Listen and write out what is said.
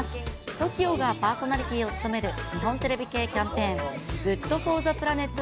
ＴＯＫＩＯがパーソナリティーを務める日本テレビ系キャンペーン、ＧｏｏｄＦｏｒｔｈｅＰｌａｎｅｔ